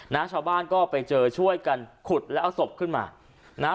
นะชาวบ้านก็ไปเจอช่วยกันขุดแล้วเอาศพขึ้นมานะฮะ